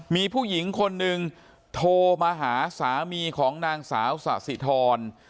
มีผู้หญิงคนหนึ่งโทรมาหาสามีของนางสาวสะสิทร